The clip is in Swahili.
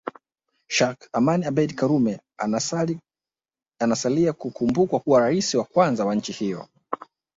Sheikh Abeid Amani Karume anasalia kukumbukwa kuwa rais wa kwanza wa nchi hiyo